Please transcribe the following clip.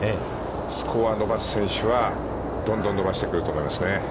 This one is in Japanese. スコアを伸ばす選手は、どんどん伸ばしてくると思いますね。